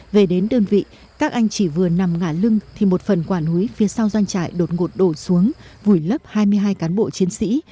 về đến đơn vị các anh chỉ vừa nằm ngã lưng thì một phần quả núi phía sau doanh trại đột ngột đổ xuống vùi lấp hai mươi hai cán bộ chiến sĩ